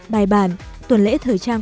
bài bản tuần lễ thời trang